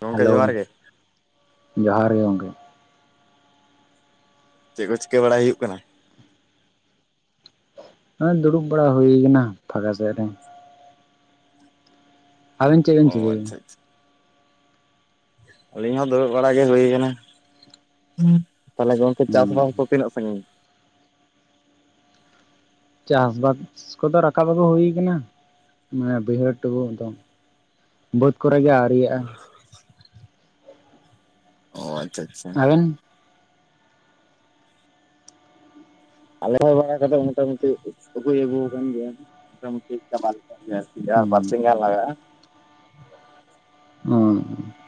ᱜᱚᱝᱠᱮ ᱦᱮᱞᱳ ᱡᱚᱦᱟᱨ ᱜᱮ ᱡᱚᱦᱟᱨ ᱜᱮ ᱜᱚᱝᱠᱮ ᱾ ᱪᱮᱫ ᱠᱚ ᱪᱤᱠᱟᱹ ᱵᱟᱲᱟᱭ ᱦᱩᱭᱩᱜ ᱠᱟᱱᱟ? ᱱᱚᱭ ᱫᱩᱲᱩᱵ ᱵᱟᱲᱟ ᱦᱩᱭ ᱠᱟᱱᱟ ᱯᱷᱟᱸᱠᱟ ᱥᱮᱫ ᱨᱮ ᱾ ᱟᱵᱮᱱ ᱪᱮᱫ ᱵᱮᱱ ᱚ ᱪᱤᱠᱟᱹᱭᱫᱟ? ᱟᱪᱪᱷᱟ ᱟᱪᱪᱷᱟ ᱟᱹᱞᱤᱧ ᱦᱚᱸ ᱫᱩᱲᱩᱵ ᱵᱟᱲᱟ ᱜᱮ ᱦᱩᱭᱠᱟᱱᱟ ᱾ ᱛᱟᱦᱚᱞᱮ ᱜᱚᱝᱠᱮ ᱪᱟᱥ ᱦᱩᱸ ᱵᱟᱥ ᱫᱚ ᱛᱤᱱᱟᱹᱜ ᱥᱟᱹᱜᱤᱧ? ᱪᱟᱥ ᱵᱟᱥ ᱠᱚᱫᱚ ᱨᱟᱠᱟᱵ ᱟᱹᱜᱩ ᱦᱩᱭ ᱟᱠᱟᱱᱟ ᱢᱟᱱᱮ ᱵᱟᱹᱭᱦᱟᱹᱲ ᱴᱩᱠᱩ ᱟᱫᱚ ᱵᱟᱹᱫᱽ ᱠᱚᱨᱮ ᱜᱮ ᱟᱹᱣᱨᱤᱭᱟᱜᱼᱟ ᱾ ᱚ ᱟᱪᱪᱷᱟ ᱟᱪᱪᱷᱟ ᱾ ᱟᱵᱮᱱ [inaudible] ᱵᱟᱲᱟ ᱠᱟᱛᱮ ᱢᱚᱴᱟ ᱢᱩᱴᱤ ᱥᱜᱩᱭ ᱟᱹᱜᱩ ᱟᱠᱟᱱ ᱜᱮᱭᱟ ᱢᱚᱴ ᱢᱩᱴᱤ ᱪᱟᱵᱟ ᱟᱨ ᱡᱟᱦᱟ ᱦᱩᱸ ᱵᱟᱨ ᱥᱤᱝ ᱜᱟᱱ ᱞᱟᱜᱟᱼᱟ ᱾ ᱦᱩᱸ ᱾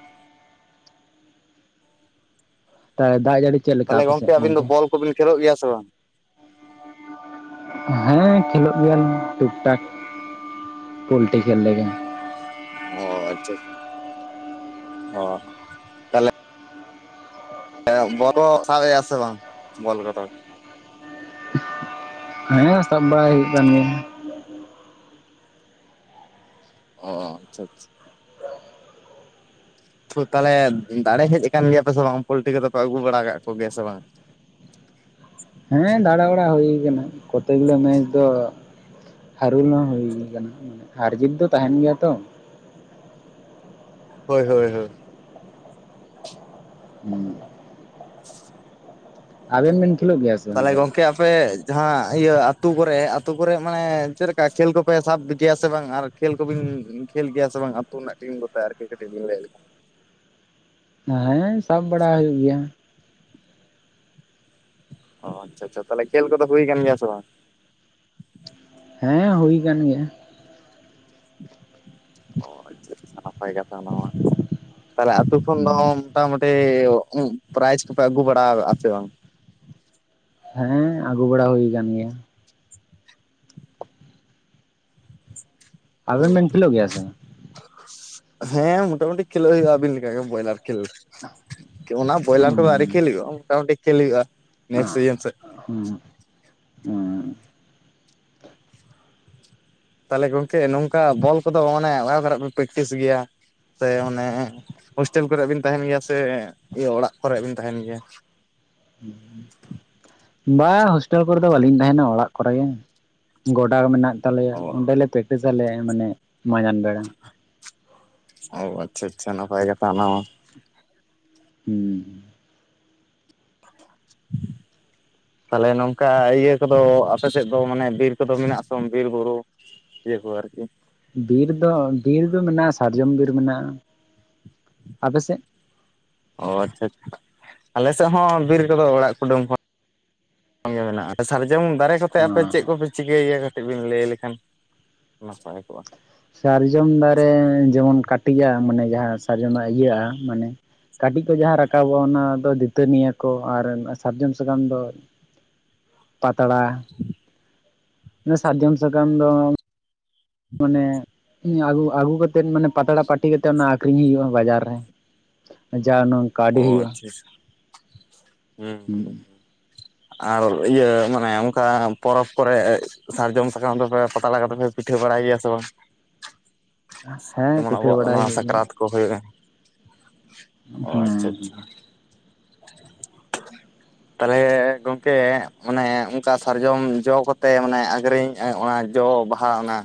ᱛᱟᱦᱚᱞᱮ ᱫᱟᱜ ᱡᱟᱹᱲᱤ ᱪᱮᱫ ᱞᱮᱠᱟ ᱛᱟᱦᱚᱞᱮ ᱟᱯᱮ ᱥᱮᱫ ᱟᱵᱤᱱ ᱫᱚ ᱜᱚᱝᱠᱮ? ᱵᱚᱞ ᱠᱚᱵᱤᱱ ᱠᱷᱮᱞᱳ ᱜᱮᱭᱟ ᱥᱮ ᱵᱟᱝ? ᱦᱮᱸ ᱠᱷᱮᱞᱳᱜ ᱜᱮᱭᱟᱧ ᱴᱩᱠ ᱴᱟᱠ ᱯᱳᱚᱞᱴᱤ ᱠᱷᱮᱞ ᱞᱮᱠᱟ ᱾ ᱚ ᱟᱪᱪᱷᱟ ᱚ ᱾ ᱦᱮᱸ ᱵᱚᱞ ᱥᱟᱵᱮ ᱟᱥᱮ ᱵᱟᱝ ᱵᱚᱞ ᱠᱚᱫᱚ ᱾ ᱦᱮᱸ ᱥᱟᱵ ᱵᱟᱲᱟᱭ ᱦᱩᱭᱩᱜ ᱠᱟᱱ ᱜᱮᱭᱟ ᱾ [unintelligible] ᱚ ᱟᱪᱪᱷᱟ ᱪᱷᱟ ᱾ ᱛᱟᱦᱚᱞᱮ ᱫᱟᱲᱮ ᱦᱮᱡ ᱟᱠᱟᱱ ᱜᱮᱭᱟ ᱯᱮ ᱥᱮ ᱵᱟᱝ ᱯᱳᱞᱴᱤ ᱠᱚᱫᱚ ᱯᱮ ᱟᱹᱜᱩ ᱵᱟᱲᱟ ᱟᱠᱟᱫ ᱠᱚᱜᱮᱭᱟ ᱥᱮ ᱵᱟᱝ? ᱦᱮᱸ ᱫᱟᱬᱟ ᱵᱟᱲᱟ ᱦᱩᱭ ᱠᱟᱱᱟ ᱠᱚᱛᱮ ᱜᱮᱞᱟ ᱢᱮᱪ ᱫᱚ ᱦᱟᱹᱨᱩᱞ ᱦᱚᱸ ᱦᱩᱭ ᱟᱠᱟᱱᱟ ᱦᱟᱨᱡᱤᱛ ᱫᱚ ᱛᱟᱦᱮᱱ ᱜᱮᱭᱟ ᱛᱚ ᱾ ᱦᱳᱭ ᱦᱳᱭ ᱦᱳᱭ ᱾ [unintelligible] ᱟᱵᱮᱱ ᱵᱮᱱ ᱠᱷᱮᱞᱳ ᱜᱮᱭᱟ? ᱥᱮ ᱵᱟᱝ ᱛᱟᱦᱚᱞᱮ ᱵᱚᱞ ᱜᱚᱝᱠᱮ ᱟᱯᱮ ᱡᱟᱦᱟᱸ ᱤᱭᱟᱹ ᱟᱹᱛᱩ ᱠᱚᱨᱮ ᱟᱹᱛᱩ ᱠᱚᱨᱮ ᱢᱟᱱᱮ ᱪᱮᱞᱠᱟ ᱠᱷᱮᱞ ᱠᱚᱯᱮ ᱥᱟᱵᱽ ᱜᱮᱭᱟ ᱥᱮ ᱵᱟᱝ ᱟᱨ ᱠᱷᱮᱞ ᱠᱚᱵᱤᱱ ᱠᱷᱮᱞ ᱜᱮᱭᱟ ᱥᱮ ᱵᱟᱝ ᱟᱹᱛᱩ ᱨᱮᱱᱟᱜ ᱴᱤᱢ ᱠᱚᱛᱮ ᱟᱨᱠᱤ ᱠᱟᱹᱴᱤᱡ ᱞᱮ ᱦᱮᱸᱻ ᱥᱟᱵᱽ ᱵᱟᱲᱟ ᱦᱩᱭᱩᱜ ᱜᱮᱭᱟ᱾ ᱚ ᱟᱪᱷᱟ ᱟᱪᱷᱟ ᱛᱟᱦᱞᱮ ᱠᱷᱮᱞ ᱠᱚᱫᱚ ᱦᱩᱭ ᱠᱟᱱ ᱜᱮᱭᱟ ᱥᱮ ᱵᱟᱝ? ᱦᱮᱸ ᱦᱩᱭ ᱠᱟᱱ ᱜᱮᱭᱟ᱾ ᱚ ᱟᱪᱷᱟ ᱟᱪᱷᱟ ᱱᱟᱯᱟᱭ ᱠᱟᱛᱷᱟ ᱚᱱᱟ ᱢᱟ, ᱛᱟᱦᱞᱮ ᱟᱛᱳ ᱠᱷᱚᱱ ᱫᱚ ᱢᱚᱴᱟᱢᱩ ᱯᱮᱭᱚ ᱯᱨᱟᱭᱤᱡ ᱠᱚᱯᱮ ᱟᱹᱜᱩ ᱵᱟᱲᱟ ᱟᱠᱟ ᱥᱮ ᱵᱟᱝ? ᱦᱮᱸ ᱟᱹᱜᱩ ᱵᱟᱲᱟ ᱦᱩᱭ ᱟᱠᱟᱱ ᱜᱮᱭᱟ᱾ ᱚ ᱟᱵᱮᱱ ᱵᱮᱱ ᱠᱷᱮᱞᱳ ᱜᱮᱭᱟ ᱥᱮ ᱵᱟᱝ? ᱦᱮᱸ ᱢᱚᱴᱟᱢᱩᱴᱤ ᱠᱷᱮᱞᱳ ᱦᱩᱭᱩᱜᱼᱟ ᱟᱹᱵᱤᱱ ᱞᱮᱠᱟ ᱜᱮ ᱵᱚᱭᱨᱟᱞ ᱠᱷᱮᱞ᱾ ᱚᱱᱟ ᱵᱚᱭᱞᱟᱨ ᱠᱚᱫᱚ ᱟᱨᱤ ᱵᱟᱝ ᱠᱷᱮᱞ ᱦᱩᱭᱩᱜ-ᱟ, ᱢᱚᱴᱟᱢᱩᱴᱤ ᱠᱷᱮᱞ ᱦᱩᱭᱩᱜᱼᱟ ᱱᱮᱠᱥᱴ ᱥᱤᱡᱤᱱ ᱥᱮᱫ᱾ ᱦᱩᱸ᱾ ᱛᱟᱦᱚᱞᱮ ᱜᱚᱝᱠᱮ ᱱᱚᱝᱠᱟ ᱵᱚᱞ ᱠᱚᱫᱚ ᱢᱟᱱᱮ ᱚᱲᱟᱜ ᱫᱷᱟᱨᱮ ᱯᱮ ᱯᱨᱮᱠᱴᱤᱥ ᱜᱮᱭᱟ? ᱥᱮ ᱚᱱᱮ ᱦᱳᱥᱴᱮᱞ ᱠᱚᱨᱮ ᱵᱤᱱ ᱛᱟᱦᱮᱸᱱ ᱜᱮᱭᱟ ᱥᱮ, ᱤᱭᱟᱹ ᱚᱲᱟᱜ ᱠᱚᱨᱮ ᱵᱤᱱ ᱛᱟᱦᱮᱸᱱ ᱜᱮᱭᱟ? [unintelligible] ᱵᱟᱝ ᱦᱳᱥᱴᱮᱞ ᱠᱚᱨᱮ ᱫᱚ ᱵᱟᱹᱞᱤᱧ ᱛᱟᱦᱮᱸᱱᱟ ᱚᱲᱟᱜ ᱠᱚᱨᱮ ᱜᱮ, ᱜᱚᱰᱟ ᱢᱮᱱᱟᱜ ᱛᱟᱞᱮᱭᱟ ᱚ ᱚᱸᱰᱮᱞᱮ ᱯᱮᱠᱴᱤᱥᱟᱞᱮ ᱢᱟᱱᱮ ᱢᱟᱡᱟᱱ ᱵᱮᱲᱟ᱾ ᱦᱚᱸ ᱟᱪᱪᱷᱟ ᱟᱪᱪᱷᱟ ᱱᱟᱯᱟᱭ ᱠᱟᱛᱷᱟ ᱚᱱᱟ ᱢᱟ᱾ [unintelligible] [inaudible] ᱛᱟᱦᱚᱞᱮ ᱱᱚᱝᱠᱟ ᱤᱭᱟᱹ ᱠᱚᱫᱚ ᱟᱯᱮ ᱥᱮᱫ ᱫᱚ ᱢᱟᱱᱮ ᱵᱤᱨ ᱠᱚᱫᱚ ᱢᱮᱱᱟᱜ-ᱟ ᱥᱮ ᱵᱟᱝ ᱵᱤᱨ ᱵᱩᱨᱩ᱾ ᱮᱨ ᱯᱚᱨ ᱟᱨ ᱠᱤ᱾ ᱵᱤᱨ ᱫᱚ ᱵᱤᱨ ᱫᱚ ᱢᱮᱱᱟᱜᱼᱟ ᱥᱟᱨᱡᱚᱢ ᱵᱤᱨ ᱢᱮᱱᱟᱜᱼᱟ, ᱟᱯᱮᱥᱮᱫ? ᱚ ᱟᱪᱪᱷᱟ ᱟᱪ ᱟᱞᱮ ᱥᱮᱫ ᱦᱚᱸ ᱵᱤᱨ ᱠᱚᱫᱚ ᱚᱲᱟᱜ ᱠᱩᱰᱟᱹᱢ ᱦᱚᱸ ᱥᱚᱝᱜᱮ ᱢᱮᱱᱟᱜᱼᱟ, ᱥᱟᱨᱡᱚᱢ ᱫᱟᱨᱮ᱾ ᱫᱚ ᱟᱯᱮ ᱦᱚᱸ ᱪᱮᱫ ᱠᱚᱯᱮ ᱪᱤᱠᱟᱹᱭᱮᱭᱟ ᱠᱟᱹᱴᱤᱡ ᱵᱤᱱ ᱞᱟᱹᱭ ᱞᱮᱠᱷᱟᱱ ᱱᱟᱯᱟᱭ ᱠᱚᱜᱼᱟ, ᱥᱟᱨᱡᱚᱢ ᱫᱟᱨᱮ ᱡᱮᱢᱚᱱ ᱠᱟᱹᱴᱤᱡᱼᱟ ᱢᱟᱱᱮ ᱡᱟᱦᱟᱸ ᱥᱟᱨᱡᱚᱢᱟᱜ ᱤᱭᱟᱹᱜᱼᱟ ᱢᱟᱱᱮ, ᱠᱟᱹᱴᱤᱡ ᱠᱚ ᱡᱟᱦᱟᱸ ᱨᱟᱠᱟᱵᱚᱜ ᱚᱱᱟ ᱫᱚ ᱫᱟᱹᱛᱟᱹᱱᱤᱭᱟ ᱠᱚ ᱟᱨ ᱥᱟᱨᱡᱚᱢ ᱥᱟᱠᱟᱢ ᱫᱚ ᱯᱟᱛᱲᱟ, [unintelligible] ᱥᱟᱨᱡᱚᱢ ᱥᱟᱠᱟᱢ ᱫᱚ ᱢᱟᱱᱮ ᱟᱞᱩ ᱟᱹᱜᱩ ᱠᱟᱛᱮᱜ ᱢᱟᱱᱮ ᱯᱟᱛᱲᱟ ᱯᱟᱹᱴᱤ ᱠᱟᱛᱮᱜ ᱚᱱᱟ ᱟᱸᱠᱷᱨᱤᱧ ᱦᱩᱭᱩᱜᱼᱟ ᱵᱟᱡᱟᱨ ᱨᱮ᱾ ᱡᱟᱱᱩ, ᱚ ᱟᱪᱪᱷᱟ ᱟᱪᱪᱷᱟ ᱦᱮᱸ᱾ [inaudible] ᱟᱨ ᱤᱭᱟᱹ ᱢᱟᱱᱮ ᱚᱝᱠᱟ ᱯᱚᱨᱚᱵᱽ ᱠᱚᱨᱮ ᱥᱟᱨᱡᱚᱢ ᱥᱟᱠᱟᱢ ᱫᱚᱯᱮ ᱯᱟᱛᱲᱟ ᱠᱟᱛᱮ ᱯᱮ ᱯᱤᱴᱷᱟᱹ ᱵᱟᱲᱟᱭ ᱜᱮᱭᱟ ᱥᱮ ᱵᱟᱝ? ᱦᱮᱸ ᱡᱮᱢᱚᱱ ᱯᱤᱴᱷᱟᱹ ᱟᱵᱚᱣᱟᱜ ᱵᱟᱲᱟᱭ ᱱᱚᱣᱟ ᱦᱩᱭᱩᱜ ᱜᱮᱭᱟ ᱥᱟᱠᱨᱟᱛ ᱠᱚ ᱦᱳᱭᱳᱜᱼᱟ, ᱚ ᱟᱪᱷᱟ ᱦᱮᱸ ᱟᱪᱷᱟ᱾ [inaudible] ᱛᱟᱦᱞᱮ ᱜᱚᱝᱠᱮ ᱚᱱᱮ ᱚᱝᱠᱟ ᱥᱟᱨᱡᱚᱢ ᱡᱚ ᱠᱚᱛᱮ ᱢᱟᱱᱮ ᱟᱹᱠᱷᱨᱤᱧ ᱚᱱᱟ ᱡᱚ ᱵᱟᱦᱟ ᱚᱱᱟ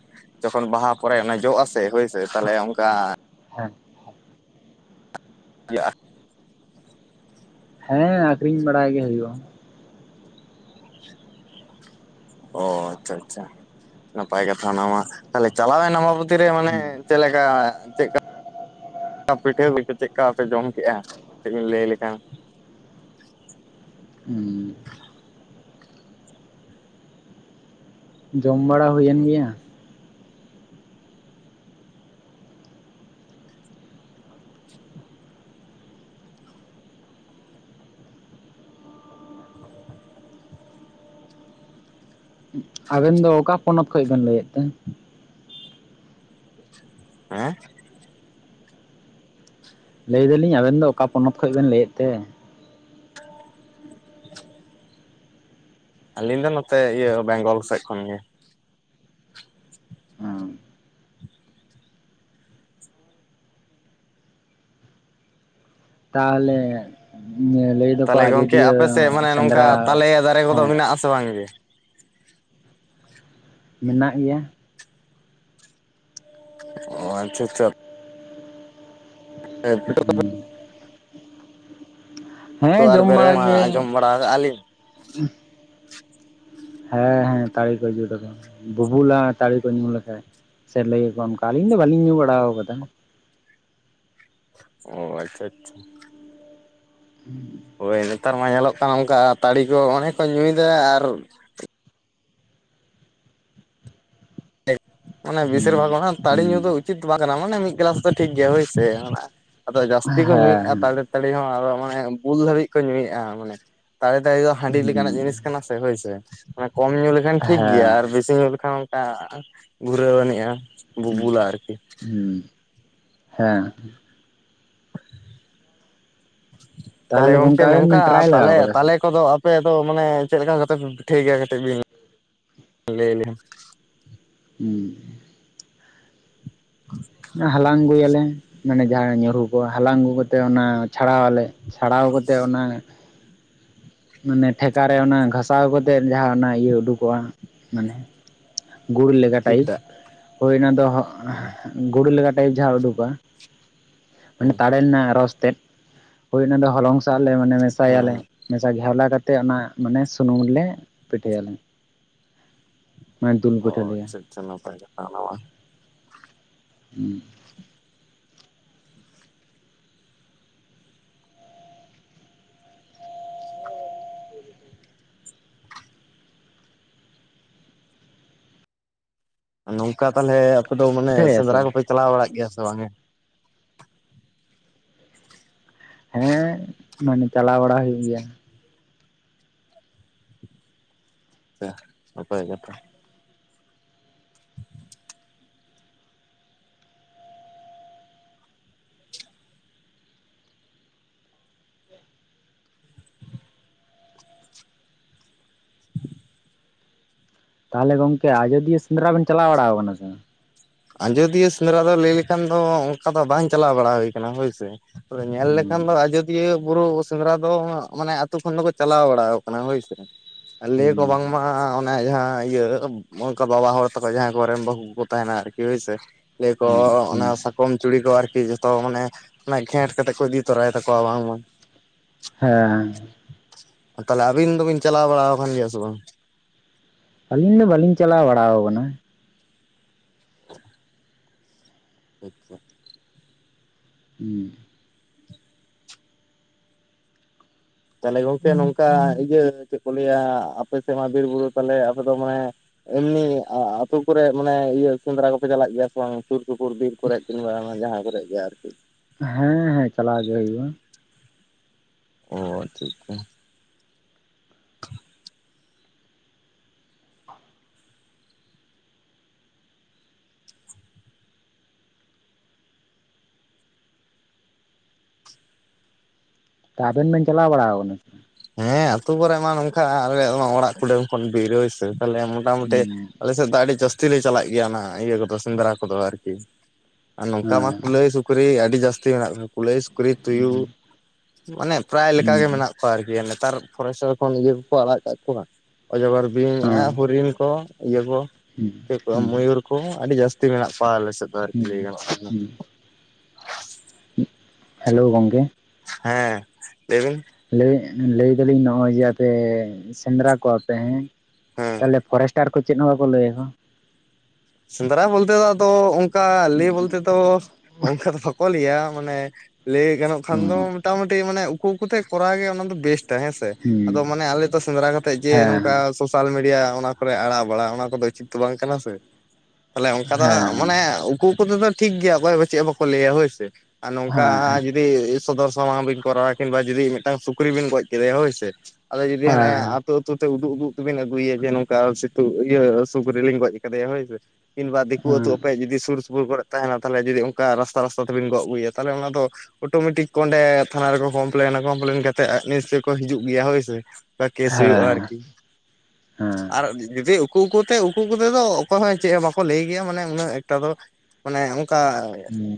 ᱡᱚᱠᱷᱚᱱ ᱵᱟᱦᱟ ᱯᱚᱨᱮ ᱚᱱᱟ ᱡᱚᱜ ᱟᱥᱮ ᱦᱳᱭᱥᱮ ᱛᱟᱦᱚᱞᱮ ᱚᱝᱠᱟ ᱦᱮᱸ᱾ ᱤᱭᱟᱹ ᱟ, ᱦᱮᱸ ᱟᱸᱠᱷᱨᱤᱧ ᱵᱟᱲᱟᱭ ᱜᱮ ᱦᱩᱭᱩᱜᱼᱟ, [unintelligible] ᱚ ᱟᱪᱪᱷᱟ ᱟᱪᱪᱷᱟ ᱱᱟᱯᱟᱭ ᱠᱟᱛᱷᱟ ᱚᱱᱟᱢᱟ ᱛᱟᱦᱚᱞᱮ ᱪᱟᱞᱟᱣ ᱮᱱ ᱟᱢᱵᱟ ᱵᱚ ᱛᱤ ᱨᱮ ᱢᱟᱱᱮ ᱪᱮᱫ ᱞᱮᱠᱟ ᱪᱮᱫ ᱠᱟ ᱯᱤᱴᱷᱟᱹ ᱦᱩᱭ ᱪᱮᱫ ᱠᱟ ᱯᱮ ᱡᱚᱢ ᱠᱮᱜᱼᱟ ᱠᱟᱹᱡ ᱵᱤᱱ ᱞᱟᱹᱭ ᱞᱮᱠᱷᱟᱱ ᱦᱩᱸ᱾ ᱡᱚᱢ ᱵᱟᱲᱟ ᱦᱩᱭᱮᱱ ᱜᱮᱭᱟ? [unintelligible] ᱟᱵᱮᱱ ᱫᱚ ᱚᱠᱟ ᱯᱚᱱᱚᱛ ᱠᱷᱚᱡ ᱵᱮᱱ ᱞᱟᱹᱭᱮᱫ ᱛᱮ? ᱦᱮᱸ? ᱞᱟᱹᱭᱫᱟᱞᱤᱧ ᱟᱵᱮᱱ ᱫᱚ ᱚᱠᱟ ᱯᱚᱱᱚᱛ ᱠᱷᱚᱡ ᱵᱮᱱ ᱞᱟᱹᱭᱮᱫ ᱛᱮ? ᱟᱹᱞᱤᱧ ᱫᱚ ᱱᱚᱛᱮ ᱤᱭᱟᱹ ᱵᱮᱝᱜᱚᱞ ᱥᱮᱫ ᱠᱷᱚᱱ ᱜᱮ᱾ ᱛᱟᱦᱚᱞᱮ ᱞᱟᱹᱭ ᱫᱚᱠᱚ ᱛᱟᱞᱦᱮ ᱜᱚᱝᱠᱮ ᱟᱡᱚᱫᱤᱭᱟᱹ ᱟᱯᱮ ᱥᱮᱫ ᱢᱟᱱᱮ ᱱᱚᱝᱠᱟ ᱥᱮᱸᱫᱽᱨᱟ ᱛᱟᱞᱮ ᱫᱟᱨᱮ ᱠᱚᱫᱚ ᱦᱮᱸ ᱢᱮᱱᱟᱜᱼᱟ ᱥᱮ ᱵᱟᱝ ᱜᱮ? ᱢᱮᱱᱟᱜ ᱜᱮᱭᱟ᱾ ᱚ ᱟᱪᱪᱷᱟ ᱟᱪᱪᱷᱟ᱾ [unintelligible] ᱛᱚ ᱦᱮᱸ ᱟᱨ ᱡᱚᱢ [unintelligible] ᱵᱟᱲᱟ ᱢᱟ ᱜᱮ ᱟᱸᱡᱚᱢ ᱵᱟᱲᱟ ᱠᱟᱜᱼᱟ ᱞᱤᱧ᱾ ᱦᱮᱸ ᱦᱮᱸ ᱛᱟᱲᱤ ᱠᱚ ᱧᱩ ᱞᱮᱠᱷᱟᱱ ᱵᱩᱵᱩᱞᱟ ᱛᱟᱹᱲᱤ ᱠᱚ ᱧᱩ ᱞᱮᱠᱷᱟᱡ᱾ ᱥᱮ ᱞᱟᱹᱤ ᱟᱠᱚ ᱚᱱᱠᱟ ᱟᱹᱞᱤᱧ ᱫᱚ ᱵᱟᱹᱞᱤᱧ ᱧᱩ ᱵᱟᱲᱟ ᱠᱟᱫᱟ᱾ ᱚ ᱟᱪᱪᱷᱟ ᱟᱪᱪᱷᱟ᱾ ᱦᱩᱸ᱾ ᱦᱳᱭ ᱱᱮᱛᱟᱨ ᱢᱟ ᱧᱮᱞᱚᱜ ᱠᱟᱱᱟ ᱚᱝᱠᱟ ᱛᱟᱹᱲᱤ ᱠᱚ ᱚᱱᱮ ᱠᱚ ᱧᱩᱭᱫᱟ ᱟᱨ ᱚᱱᱮ ᱵᱮᱥᱤᱨ ᱵᱷᱟᱜᱽ ᱦᱩᱸ ᱚᱱᱟ ᱛᱟᱹᱲᱤ ᱦᱩᱸ ᱧᱩ ᱫᱚ ᱩᱪᱤᱛ ᱫᱚ ᱵᱟᱝ ᱠᱟᱱᱟ ᱢᱟᱱᱮ ᱢᱤᱫ ᱜᱮᱞᱟᱥ ᱫᱚ ᱴᱷᱤᱠ ᱜᱮᱭᱟ ᱦᱳᱭᱥᱮ ᱚᱱᱟ ᱟᱫᱚ ᱡᱟᱹᱥᱛᱤ ᱠᱚ ᱧᱩᱭᱮᱫᱼᱟ ᱦᱮᱸ ᱦᱩᱸ ᱛᱟᱞᱮ ᱛᱟᱹᱲᱤ ᱦᱚᱸ ᱟᱨᱚᱦᱚ ᱢᱟᱱᱮ ᱵᱩᱞ ᱫᱷᱟᱹᱵᱤᱡ ᱠᱚ ᱧᱩᱭᱮᱫᱼᱟ ᱢᱟᱱᱮ ᱛᱟᱞᱮ ᱛᱟᱹᱲᱤ ᱫᱚ ᱦᱟᱺᱰᱤ ᱞᱮᱠᱟᱱᱟᱜ ᱡᱤᱱᱤᱥ ᱠᱟᱱᱟ ᱥᱮ ᱦᱳᱭᱥᱮ ᱚᱱᱮ ᱠᱚᱢ ᱧᱩ ᱞᱮᱠᱷᱟᱱ ᱴᱷᱤᱠ ᱜᱮᱭᱟ ᱦᱮᱸ ᱟᱨ ᱵᱮᱥᱤ ᱧᱩ ᱞᱮᱠᱷᱟᱱ ᱠᱟ ᱜᱷᱩᱨᱟᱹᱣ ᱟᱹᱱᱤᱡᱼᱟ ᱦᱩᱸ ᱵᱩᱵᱩᱞᱟ ᱟᱨᱠᱤ᱾ ᱦᱩᱸ ᱦᱮᱸ᱾ ᱛᱟᱦᱞᱮ ᱛᱟᱦᱚᱞᱮ ᱜᱚᱝᱠᱮ ᱟᱵᱮᱱ ᱱᱚᱝᱠᱟ ᱵᱮᱱ ᱴᱨᱟᱭ ᱞᱮᱜᱟᱣ ᱛᱟᱞᱮ ᱟᱠᱟᱫᱟ ᱥᱮ ᱛᱟᱞᱮ ᱠᱚᱫᱚ ᱟᱯᱮ ᱫᱚ ᱢᱟᱱᱮ ᱪᱮᱫ ᱞᱮᱠᱟ ᱠᱟᱛᱮ ᱯᱮ ᱯᱤᱴᱷᱟᱹᱭ ᱜᱮᱭᱟ ᱠᱟᱹᱴᱤᱡ ᱵᱤᱱ ᱞᱟᱹᱭ ᱟᱞᱤᱧᱟ᱾ ᱦᱩᱸ᱾ ᱚᱱᱮ ᱦᱟᱞᱟᱝ ᱟᱹᱜᱩᱭ ᱟᱞᱮ ᱢᱟᱱᱮ ᱡᱟᱦᱟᱸ ᱧᱩᱨᱩ ᱠᱚᱼᱟ ᱦᱟᱞᱟᱝ ᱟᱹᱜᱩ ᱠᱟᱛᱮ ᱚᱱᱟ ᱪᱷᱟᱲᱟᱣ ᱟᱞᱮ᱾ ᱪᱷᱟᱲᱟᱣ ᱠᱟᱛᱮᱜ ᱚᱱᱟ ᱢᱟᱱᱮ ᱴᱷᱮᱠᱟ ᱨᱮ ᱚᱱᱟ ᱜᱷᱟᱥᱟᱣ ᱠᱟᱛᱮᱜ ᱡᱟᱦᱟᱸ ᱚᱱᱟ ᱤᱭᱟᱹ ᱩᱰᱩᱠᱚᱜᱼᱟ ᱢᱟᱱᱮ ᱜᱩᱲ ᱞᱮᱠᱟ ᱴᱟᱭᱤᱯ ᱴᱷᱤᱠᱴᱷᱟᱠ ᱦᱳᱭ ᱚᱱᱟ ᱫᱚ ᱦᱩᱸ ᱜᱩᱲ ᱞᱮᱠᱟ ᱴᱟᱭᱤᱯ ᱡᱟᱦᱟᱸ ᱩᱰᱩᱠᱚᱜᱼᱟ ᱢᱟᱱᱮ ᱦᱩᱸ ᱛᱟᱲᱮ ᱨᱮᱱᱟᱜ ᱨᱚᱥ ᱛᱮᱫ, ᱦᱩᱭ ᱚᱱᱟ ᱫᱚ ᱦᱚᱞᱚᱝ ᱥᱟᱜ ᱞᱮ ᱢᱟᱱᱮ ᱦᱮᱸ ᱢᱮᱥᱟᱭᱟᱞᱮ ᱦᱮᱸ [unintelligible] ᱜᱷᱮᱣᱞᱟ ᱠᱟᱛᱮᱫ ᱚᱱᱟ ᱢᱟᱱᱮ ᱥᱩᱱᱩᱢ ᱞᱮ ᱯᱤᱴᱷᱟᱹᱭᱟᱞᱮ᱾ ᱢᱟᱱᱮ ᱫᱩᱞ ᱚ ᱯᱤᱴᱷᱟᱹ ᱞᱮᱭᱟ᱾ ᱟᱪᱪᱷᱟ ᱟᱪᱪᱷᱟ ᱱᱟᱯᱟᱭ ᱠᱟᱛᱷᱟ ᱚᱱᱟ ᱢᱟ᱾ ᱦᱩᱸ᱾ ᱱᱚᱝᱠᱟ ᱛᱟᱦᱚᱞᱮ ᱟᱯᱮ ᱫᱚ ᱢᱟᱱᱮ ᱯᱤᱴᱷᱟᱹᱭᱟ ᱥᱮ ᱥᱮᱸᱫᱽᱨᱟ ᱵᱟᱝ ᱠᱚᱯᱮ ᱪᱟᱞᱟ ᱵᱟᱲᱟ ᱜᱮᱭᱟ ᱥᱮ ᱵᱟᱝ ᱜᱮ? ᱦᱮᱸ ᱢᱟᱱᱮ ᱪᱟᱞᱟᱣ ᱵᱟᱲᱟ ᱦᱩᱭᱩᱜ ᱜᱮᱭᱟ᱾ ᱟᱪᱪᱷᱟ ᱱᱟᱯᱟᱭ ᱠᱟᱛᱷᱟ᱾ [inaudible] ᱛᱟᱦᱚᱞᱮ ᱜᱚᱝᱠᱮ ᱟᱡᱚᱫᱤᱭᱟᱹ ᱥᱮᱸᱫᱽᱨᱟ ᱵᱮᱱ ᱪᱟᱞᱟᱣ ᱵᱟᱲᱟ ᱠᱟᱱᱟ ᱥᱮ ᱵᱟᱝ? ᱟᱡᱚᱫᱤᱭᱟᱹ ᱥᱮᱸᱫᱽᱨᱟ ᱫᱚ ᱞᱟᱹᱭ ᱞᱮᱠᱷᱟᱱ ᱫᱚ ᱚᱝᱠᱟ ᱫᱚ ᱵᱟᱝ ᱪᱟᱞᱟᱣ ᱵᱟᱲᱟ ᱦᱩᱭ ᱠᱟᱱᱟ ᱦᱳᱭᱥᱮ ᱾ ᱧᱮᱞ ᱦᱩᱸ ᱞᱮᱠᱷᱟᱱ ᱫᱚ ᱟᱡᱚ ᱤᱭᱟᱹ ᱵᱩᱨᱩ ᱥᱮᱸᱫᱽᱨᱟ ᱫᱚ ᱢᱟᱱᱮ ᱟᱹᱛᱩ ᱠᱷᱚᱱ ᱫᱚᱠᱚ ᱪᱟᱞᱟᱣ ᱵᱟᱲᱟᱣ ᱠᱟᱱᱟ ᱦᱳᱭ ᱥᱮ ᱾ ᱞᱟᱹᱭᱟᱠᱚ ᱦᱩᱸ ᱵᱟᱝᱢᱟ ᱚᱱᱮ ᱡᱟᱦᱟᱸ ᱤᱭᱟᱹ ᱚᱝᱠᱟ ᱵᱟᱵᱟ ᱦᱚᱲ ᱛᱟᱠᱚ ᱡᱟᱦᱟᱸᱭ ᱠᱚᱨᱮᱱ ᱵᱟᱹᱦᱩ ᱠᱚᱠᱚ ᱛᱟᱦᱮᱱᱟ ᱟᱨ ᱠᱤ ᱦᱳᱭᱥᱮ ᱞᱟᱹᱭ ᱠᱚ ᱦᱩᱸ ᱦᱩᱸ ᱚᱱᱟ ᱥᱟᱠᱚᱢ ᱪᱩᱲᱤ ᱠᱚ ᱟᱨᱠᱤ ᱛᱚ ᱢᱟᱱᱮ ᱚᱱᱟ ᱜᱷᱮᱸᱴ ᱠᱟᱛᱮᱜ ᱠᱚ ᱤᱫᱤ ᱛᱚᱨᱟᱭ ᱛᱟᱠᱟᱣᱟ ᱵᱟᱝᱢᱟ ᱾ ᱦᱮᱸ [inaudible] ᱛᱟᱞᱮ ᱟᱹᱵᱤᱱ ᱫᱚᱵᱤᱱ ᱪᱟᱞᱟᱣ ᱵᱟᱲᱟᱣ ᱟᱠᱟᱱ ᱜᱮᱭᱟ ᱥᱮ ᱵᱟᱝ? ᱟᱹᱞᱤᱧ ᱫᱚ ᱵᱟᱞᱤᱧ ᱪᱟᱞᱟᱣ ᱵᱟᱲᱟᱣ ᱠᱟᱱᱟ᱾ [inaudible] ᱟᱪᱷᱟ ᱾ ᱦᱩᱸ᱾ ᱛᱟᱞᱮ ᱜᱚᱝᱠᱮ ᱱᱚᱝᱠᱟ ᱤᱭᱟᱹ ᱪᱮᱜ ᱠᱚ ᱞᱟᱹᱭᱟ ᱟᱯᱮ ᱥᱮ ᱢᱟ ᱵᱤᱨ ᱵᱩᱨᱩ ᱛᱟᱞᱮ ᱟᱯᱮ ᱫᱚ ᱢᱟᱱᱮ ᱮᱢᱱᱤ ᱟᱹᱛᱩ ᱠᱚᱨᱮ ᱢᱟᱱᱮ ᱤᱭᱟᱹ ᱥᱮᱸᱫᱨᱟ ᱠᱚᱯᱮ ᱪᱟᱞᱟᱜ ᱜᱮᱭᱟ ᱥᱮ ᱵᱟᱝ ᱥᱩᱨ ᱥᱩᱯᱩᱨ ᱵᱤᱨ? ᱠᱚᱨᱮᱜ ᱠᱤᱱᱵᱟ ᱡᱟᱦᱟᱸ ᱠᱚᱨᱮᱜ ᱜᱮ ᱟᱨᱠᱤ ᱾ ᱦᱮᱸ ᱦᱮᱸ ᱪᱟᱞᱟᱣ ᱜᱮ ᱦᱩᱭᱩᱜᱼᱟ᱾ ᱚ ᱪᱤᱜᱠᱟ ᱾ ᱛᱟ ᱟᱵᱮᱱ ᱵᱮᱱ ᱪᱟᱞᱟᱣ ᱵᱟᱲᱟᱣ ᱠᱟᱱᱟ? ᱦᱮᱸ ᱟᱹᱛᱩ ᱠᱚᱨᱮ ᱢᱟ ᱱᱚᱝᱠᱟ ᱟᱞᱮᱭᱟᱜ ᱢᱟ ᱚᱲᱟᱜ ᱠᱩᱰᱟᱢ ᱠᱷᱚᱱ ᱵᱤᱨᱟᱹᱭ ᱥᱮ ᱛᱟᱞᱮ ᱮᱢᱚᱱ ᱦᱮᱸ ᱢᱳᱴᱟᱢᱩᱴᱤ ᱟᱞᱮ ᱥᱮᱫ ᱫᱚ ᱟᱹᱰᱤ ᱡᱟᱹᱥᱛᱤ ᱞᱮ ᱪᱟᱞᱟᱜ ᱜᱮᱭᱟ ᱚᱱᱟ ᱤᱭᱟᱹ ᱠᱚᱫᱚ ᱥᱮᱸᱫᱽᱨᱟ ᱠᱚᱫᱚ ᱟᱨᱠᱤ᱾ ᱟᱨ ᱱᱚᱝᱠᱟ ᱦᱮᱸ ᱢᱟ ᱠᱩᱞᱟᱹᱭ ᱥᱩᱠᱨᱤ ᱟᱹᱰᱤ ᱡᱟᱹᱥᱛᱤ ᱢᱮᱱᱟᱜ ᱠᱚᱣᱟ ᱠᱩᱞᱟᱹᱭ ᱥᱩᱠᱨᱤ ᱦᱮᱸ ᱛᱩᱭᱩ᱾ ᱢᱟᱱᱮ ᱯᱨᱟᱭ ᱞᱮᱠᱟ ᱜᱮ ᱢᱮᱱᱟᱜ ᱠᱚᱣᱟ ᱟᱨᱠᱤ ᱱᱮᱛᱟᱨ ᱯᱷᱚᱨᱮᱥᱴᱟᱨ ᱠᱷᱚᱱ ᱤᱭᱟᱹ ᱠᱚᱠᱚ ᱟᱲᱟᱜ ᱠᱟᱜ ᱠᱚᱣᱟ᱾ ᱚᱡᱚᱜᱚᱨ ᱵᱤᱧ ᱮ ᱦᱚᱨᱤᱱ ᱠᱚ ᱤᱭᱟᱹ ᱠᱚ ᱪᱮᱜ ᱠᱚ ᱦᱮᱸ ᱦᱮᱸ ᱢᱚᱭᱩᱨ ᱠᱚ ᱟᱹᱰᱤ ᱡᱟᱹᱥᱛᱤ ᱢᱮᱱᱟᱜ ᱠᱚᱣᱟ ᱟᱞᱮ ᱥᱮᱫ ᱫᱚ ᱟᱨᱠᱤ ᱦᱮᱸ ᱞᱟᱹᱭ ᱜᱟᱱᱚᱜᱼᱟ᱾ ᱦᱮᱸ [inaudible] ᱦᱮᱞᱳ ᱜᱚᱝᱠᱮ? ᱦᱮᱸ ᱞᱟᱹᱭᱵᱤᱱ᱾ ᱞᱮᱤᱧ ᱞᱟᱹᱭ ᱫᱟᱞᱤᱧ ᱱᱚᱜ ᱚᱭ ᱡᱮ ᱟᱯᱮ ᱥᱮᱸᱫᱽᱨᱟ ᱠᱚᱣᱟᱯᱮ ᱦᱮᱸ ᱦᱮᱸ ᱛᱟᱞᱮ ᱯᱷᱚᱨᱮᱥᱴ ᱴᱟᱨ ᱠᱚ ᱪᱮᱜ ᱦᱚᱸ ᱵᱟᱠᱚ ᱞᱟᱹᱭ ᱟᱠᱚ? ᱥᱮᱸᱫᱽᱨᱟ ᱵᱚᱞᱛᱮ ᱫᱚ ᱟᱫᱚ ᱩᱝᱠᱟ ᱦᱮᱸ ᱞᱮ ᱦᱮᱸ ᱵᱚᱞᱛᱮ ᱫᱚ ᱚᱝᱠᱟ ᱫᱚ ᱵᱟᱠᱚ ᱞᱮᱭᱟ ᱢᱟᱱᱮ ᱞᱮᱭ ᱜᱟᱱᱚᱜ ᱦᱮᱸ ᱦᱮᱸ ᱦᱮᱸ ᱠᱷᱟᱱ ᱫᱚ ᱦᱮᱸ ᱦᱮᱸ ᱦᱮᱸ ᱦᱮᱸ ᱦᱮᱸ ᱢᱚᱴᱟᱢᱩᱴᱤ ᱢᱟᱱᱮ ᱠᱩᱛᱮ ᱠᱚᱨᱟᱣ ᱜᱮ ᱚᱱᱟ ᱫᱚ ᱵᱮᱥᱴᱟ ᱦᱮᱸᱥᱮ ᱦᱮᱸ ᱟᱫᱚ ᱢᱟᱱᱮ ᱟᱞᱮ ᱛᱚ ᱥᱮᱸᱫᱽᱨᱟ ᱠᱟᱛᱮᱜ ᱡᱮ ᱱᱚᱝᱠᱟ ᱥᱳ ᱛᱟᱞ ᱢᱤᱰᱤᱭᱟ ᱚᱱᱟ ᱠᱚᱨᱮ ᱟᱲᱟᱜ ᱵᱟᱲᱟ ᱚᱱᱟ ᱠᱚᱫᱚ ᱩᱪᱤᱛ ᱫᱚ ᱵᱟᱝ ᱠᱟᱱᱟ ᱥᱮ ᱛᱟᱦᱞᱮ ᱚᱝᱠᱟ ᱫᱚ ᱦᱟᱸᱜ ᱢᱟᱱᱮ ᱩᱠᱩ ᱩᱠᱩ ᱛᱮᱫᱚ ᱴᱷᱤᱠ ᱜᱮᱭᱟ ᱚᱠᱚᱭ ᱫᱚ ᱪᱮᱜ ᱦᱚᱸ ᱵᱟᱠᱚ ᱞᱟᱹᱭᱟ ᱦᱳᱭᱥᱮ᱾ ᱟᱨ ᱱᱚᱝᱠᱟ ᱡᱩᱫ ᱡᱩᱫᱤ ᱥᱚᱫᱚᱨ ᱥᱟᱢᱟᱝ ᱵᱤᱱ ᱠᱚᱨᱟᱣᱟ ᱠᱤᱝᱵᱟ ᱡᱩᱫᱤ ᱢᱤᱫᱴᱟᱝ ᱥᱩᱠᱨᱤ ᱵᱤᱱ ᱜᱚᱡ ᱠᱮᱫᱮᱭᱟ ᱦᱳᱭ ᱥᱮ ᱟᱫᱚ ᱡᱩᱫᱤ ᱦᱟᱱᱮ ᱟᱯ ᱛᱳ ᱛᱳ ᱛᱮ ᱩᱫᱩᱜ ᱩᱫᱩᱜ ᱛᱮᱵᱤᱱ ᱟᱹᱜᱩᱭᱟ ᱡᱮ ᱱᱚᱝᱠᱟ ᱥᱤᱛᱩᱜ ᱤᱭᱟᱹ ᱥᱩᱠᱨᱤ ᱞᱤᱧ ᱜᱚᱡ ᱠᱟᱫᱮᱭᱟ ᱦᱳᱭ ᱥᱮ ᱾ ᱠᱤᱢᱵᱟ ᱫᱤᱠᱩ ᱟᱹᱛᱩ ᱟᱯᱮ ᱡᱩᱫᱤ ᱥᱩᱨ ᱥᱩᱯᱩᱨ ᱠᱚᱨᱮ ᱛᱟᱦᱮᱱᱟ ᱛᱷᱟᱞᱮ ᱡᱩᱫᱤ ᱚᱱᱠᱟ ᱨᱟᱥᱛᱟ ᱨᱟᱥᱛᱟ ᱛᱮᱵᱤᱱ ᱜᱚᱜ ᱟᱹᱜᱩᱭᱟ ᱛᱟᱦᱞᱮ ᱚᱱᱟ ᱫᱚ ᱚᱴᱳᱢᱮᱴᱤᱠ ᱚᱸᱰᱮ ᱛᱷᱟᱱᱟ ᱨᱮᱠᱚ ᱠᱚᱢᱯᱞᱮᱱᱟ ᱠᱚᱢᱯᱞᱮᱱ ᱠᱟᱛᱮ ᱱᱤᱥᱪᱚᱭ ᱠᱚ ᱦᱤᱡᱩᱜ ᱜᱮᱭᱟ ᱦᱳᱭ ᱥᱮ᱾ ᱠᱟ ᱠᱮᱥ ᱦᱩᱭᱩᱜᱼᱟ ᱟᱨᱠᱤ ᱟᱨ ᱡᱩᱫᱤ ᱩᱠᱩ ᱩᱠᱩᱛᱮ ᱩᱠᱩ ᱩᱠᱩᱛᱮᱫᱚ ᱚᱠᱚᱭ ᱦᱚᱸ ᱪᱮᱜ ᱦᱚᱸ ᱵᱟᱠᱚ ᱞᱟᱹᱭ ᱜᱮᱭᱟ ᱢᱟᱱᱮ ᱩᱱᱟᱹᱜ ᱮᱠᱴᱟ ᱫᱚ ᱢᱟᱱᱮ ᱚᱝᱠᱟ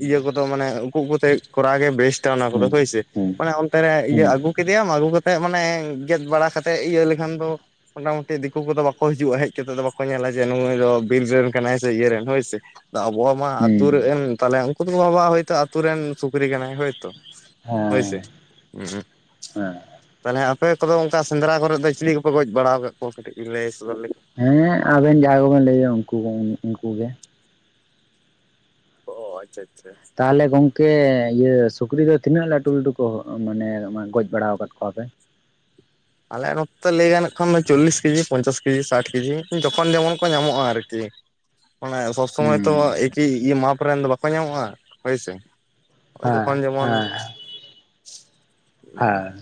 ᱤᱭᱟᱹ ᱠᱚ ᱫᱚ ᱢᱟᱱᱮ ᱩᱠᱩ ᱩᱠᱩᱛᱮ ᱠᱚᱨᱟᱣ ᱜᱮ ᱵᱮᱥᱴᱟ ᱚᱱᱟ ᱠᱚᱫᱚ ᱦᱳᱭᱥᱮ᱾ ᱟᱱᱮ ᱚᱱᱛᱮ ᱨᱮ ᱤᱭᱟᱹ ᱟᱹᱜᱩ ᱠᱮᱫᱮᱭᱟᱢ ᱟᱹᱜᱩ ᱠᱟᱛᱮᱫ ᱢᱟᱱᱮ ᱜᱮᱫ ᱵᱟᱲᱟ ᱠᱟᱛᱮᱫ ᱤᱭᱟᱹ ᱞᱮᱠᱷᱟᱱ ᱫᱚ ᱢᱳᱴᱟᱢᱩᱴᱤ ᱫᱤᱠᱩ ᱠᱚᱫᱚ ᱵᱟᱠᱚ ᱦᱤᱡᱩᱜᱼᱟ ᱦᱮᱡ ᱠᱟᱛᱮᱫ ᱫᱚ ᱵᱟᱠᱚ ᱧᱮᱞᱟ ᱡᱮ ᱱᱩᱭ ᱫᱚ ᱵᱤᱨ ᱨᱮᱱ ᱠᱟᱱᱟᱭ ᱥᱮ ᱤᱭᱟᱹ ᱨᱮᱱ ᱦᱳᱭ ᱥᱮ᱾ ᱟᱫᱚ ᱟᱵᱚ ᱢᱟ ᱟᱛᱩ ᱦᱮᱸ ᱦᱮᱸ ᱨᱮ ᱮᱢ ᱛᱟᱦᱚᱞᱮ ᱩᱱᱠᱩ ᱫᱚ ᱵᱷᱟᱵᱟᱣᱟ ᱦᱳᱭᱛᱳ ᱟᱛᱩ ᱨᱮᱱ ᱥᱩᱠᱨᱤ ᱠᱟᱱᱟᱭ ᱦᱳᱭᱛᱚ᱾ ᱦᱳᱭ ᱥᱮ? ᱦᱮᱸ ᱩᱸ ᱦᱮᱸ ᱛᱟᱞᱦᱮ ᱟᱯᱮ ᱠᱚᱫᱚ ᱚᱱᱠᱟ ᱥᱮᱸᱫᱽᱨᱟ ᱠᱚᱨᱮᱫ ᱫᱚ ᱪᱤᱞᱤ ᱠᱚᱯᱮ ᱜᱚᱡ ᱵᱟᱲᱟᱟᱣ ᱟᱠᱟᱫ ᱠᱚᱣᱟ ᱠᱟᱹᱴᱤᱡ ᱞᱟᱹᱭ ᱥᱚᱫᱚᱨ ᱞᱮ ᱦᱮᱸ ᱟᱵᱮᱱ ᱡᱟᱦᱟᱸ ᱠᱚᱵᱮᱱ ᱞᱟᱹᱭᱟ ᱩᱱᱠᱩ ᱠᱚ ᱩᱱᱠᱩ ᱜᱮ᱾ ᱚ ᱟᱪᱪᱷᱟ ᱟᱪᱪᱷᱟ ᱟᱪᱪᱷᱟ᱾ ᱛᱟᱦᱚᱞᱮ ᱜᱚᱝᱠᱮ ᱤᱭᱟᱹ ᱥᱩᱠᱨᱤ ᱫᱚ ᱛᱤᱱᱟᱹᱜ ᱞᱟᱹᱴᱩ ᱞᱟᱹᱴᱩ ᱠᱚ ᱢᱟᱱᱮ ᱢᱟᱜ ᱜᱚᱡ ᱵᱟᱲᱟᱣ ᱟᱠᱟᱫ ᱠᱚᱣᱟᱯᱮ? ᱟᱞᱮᱭᱟᱜ ᱱᱚᱛᱮ ᱞᱟᱹᱭ ᱜᱟᱱᱚᱜ ᱠᱷᱟᱱ ᱫᱚ ᱪᱚᱞᱞᱤᱥ ᱠᱮᱡᱤ ᱯᱚᱧᱪᱟᱥ ᱠᱮᱡᱤ ᱥᱟᱴ ᱠᱮᱡᱤ ᱡᱚᱠᱷᱚᱱ ᱡᱮᱢᱚᱱ ᱠᱚ ᱧᱟᱢᱚᱜᱼᱟ ᱟᱨᱠᱤ᱾ ᱚᱱᱟ ᱥᱚᱵ ᱥᱚᱢᱚᱭ ᱛᱚ ᱦᱩᱸ ᱮᱠᱤ ᱤᱭᱟᱹ ᱢᱟᱯ ᱨᱮᱱ ᱫᱚ ᱵᱟᱠᱚ ᱧᱟᱢᱚᱜᱼᱟ ᱦᱳᱭᱥᱮ᱾ ᱳᱭ ᱦᱮᱸ ᱡᱚᱠᱷᱚᱱ ᱡᱮᱢᱚᱱ᱾ ᱦᱮᱸ ᱦᱮᱸ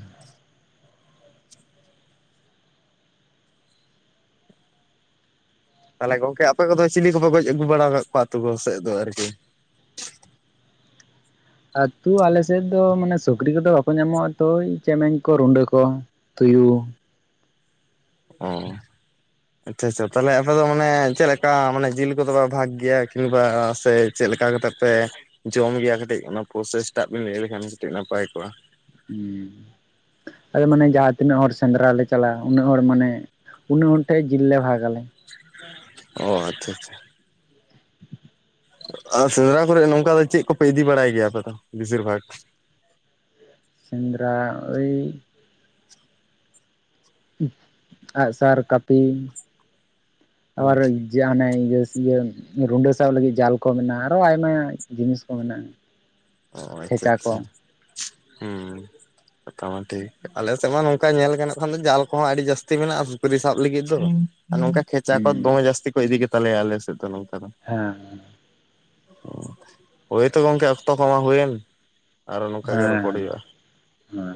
ᱛᱟᱞᱦᱮ ᱜᱚᱝᱠᱮ ᱟᱯᱮ ᱠᱚᱫᱚ ᱪᱤᱞᱤ ᱠᱚᱯᱮ ᱜᱚᱡ ᱟᱹᱜᱩ ᱵᱟᱲᱟ ᱠᱟᱫ ᱠᱚᱣᱟ ᱟᱹᱛᱩ ᱠᱚ ᱥᱮᱫ ᱫᱚ ᱟᱨᱠᱤ? ᱟᱹᱛᱩ ᱟᱞᱮ ᱥᱮᱫ ᱫᱚ ᱢᱟᱱᱮ ᱥᱩᱠᱨᱤ ᱠᱚᱫᱚ ᱵᱟᱠᱚ ᱧᱟᱢᱚᱜᱼᱟ ᱛᱚ ᱳᱭ ᱪᱮᱢᱮᱧ ᱠᱚ ᱨᱩᱸᱰᱟᱹ ᱠᱚ᱾ ᱛᱩᱭᱩ᱾ ᱚ᱾ ᱟᱪᱪᱷᱟ ᱟᱪᱪᱷᱟ ᱛᱟᱦᱞᱮ ᱟᱯᱮ ᱫᱚ ᱢᱟᱱᱮ ᱪᱮᱫᱮᱴ ᱞᱮᱠᱟ ᱢᱟᱱᱮ ᱡᱤᱞ ᱠᱚᱫᱚ ᱯᱮ ᱵᱷᱟᱜ ᱜᱮᱭᱟ ᱠᱤᱝᱵᱟ ᱥᱮ ᱪᱮᱫ ᱞᱮᱠᱟ ᱠᱟᱛᱮᱜ ᱯᱮ ᱡᱚᱢ ᱜᱮᱭᱟ ᱠᱟᱹᱴᱤᱡ ᱚᱱᱟ ᱯᱨᱚᱥᱮᱥ ᱴᱟᱜ ᱵᱮᱱ ᱞᱟᱹᱭ ᱞᱮᱠᱷᱟᱱ ᱠᱟᱹᱴᱤᱡ ᱱᱟᱯᱟᱭ ᱠᱚᱜᱼᱟ᱾ ᱦᱩᱸ, ᱟᱫᱚ ᱢᱟᱱᱮ ᱡᱟᱦᱟᱸ ᱛᱤᱱᱟᱹᱜ ᱦᱚᱲ ᱥᱮᱸᱫᱽᱨᱟ ᱞᱮ ᱪᱟᱞᱟᱜᱼᱟ ᱩᱱᱟᱹᱜ ᱦᱚᱲ ᱢᱟᱱᱮ ᱩᱱᱟᱹᱜ ᱦᱚᱱ ᱴᱷᱮᱡ ᱡᱤᱞ ᱞᱮ ᱵᱷᱟᱜᱽ ᱟᱞᱮ᱾ ᱚ ᱟᱪᱪᱷᱟ ᱟᱪᱪᱷᱟ᱾ ᱟᱨ ᱥᱮᱸᱫᱽᱨᱟ ᱠᱚᱨᱮᱜ ᱱᱚᱝᱠᱟ ᱫᱚ ᱪᱮᱫ ᱠᱚᱯᱮ ᱤᱫᱤ ᱵᱟᱲᱟᱭ ᱜᱮᱭᱟ ᱟᱯᱮ ᱫᱚ ᱵᱮᱥᱤᱨ ᱵᱷᱟᱜ? ᱥᱮᱸᱫᱽᱨᱟ ᱳᱣ ᱟᱸᱜᱥᱟᱨ ᱠᱟᱹᱯᱤ ᱟᱵᱟᱨ ᱦᱮᱸ ᱡᱮ ᱦᱟᱱᱮ ᱤᱭᱟᱹᱥ ᱤᱭᱟᱹ ᱨᱩᱸᱰᱟᱹ ᱥᱟᱵ ᱞᱟᱹᱜᱤᱫ ᱡᱟᱞ ᱠᱚ ᱢᱮᱱᱟᱜᱼᱟ ᱟᱨᱚ ᱟᱭᱢᱟ ᱡᱤᱱᱤᱥ ᱠᱚ ᱢᱮᱱᱟᱜᱼᱟ᱾ [inaudible] ᱚ ᱟᱪᱪᱷᱟ ᱠᱷᱮᱪᱟ ᱟᱪᱪᱷᱟ, ᱠᱚ ᱦᱩᱸ᱾ ᱢᱚᱴᱟᱢᱩᱴᱤ ᱟᱞᱮ ᱥᱮᱫ ᱢᱟ ᱱᱚᱝᱠᱟ ᱧᱮᱞ ᱜᱟᱱᱚᱜ ᱠᱷᱟᱱ ᱫᱚ ᱡᱟᱞ ᱠᱚᱦᱚᱸ ᱟᱹᱰᱤ ᱡᱟᱹᱥᱛᱤ ᱢᱮᱱᱟᱜᱼᱟ ᱥᱩᱠᱨᱤ ᱥᱟᱵ ᱞᱟᱹᱜᱤᱫ ᱫᱚ᱾ ᱟᱨ ᱱᱚᱝᱠᱟ ᱠᱷᱮᱪᱟ ᱠᱚ ᱦᱮᱸ ᱫᱚᱢᱮ ᱡᱟᱹᱥᱛᱤ ᱠᱚ ᱤᱫᱤ ᱜᱮ ᱛᱟᱞᱮᱭᱟ ᱟᱞᱮ ᱥᱮᱫ ᱫᱚ ᱱᱚᱝᱠᱟ ᱫᱚ᱾ ᱦᱮᱸ᱾ ᱦᱳᱭ ᱛᱚ ᱜᱚᱝᱠᱮ ᱚᱠᱛᱚ ᱠᱚᱢᱟ ᱦᱩᱭᱮᱱ, ᱟᱨᱚ ᱱᱚᱝᱠᱟ ᱜᱮ ᱨᱚᱯᱚᱲ ᱦᱮᱸ ᱦᱩᱭᱩᱜᱼᱟ᱾ ᱦᱮᱸ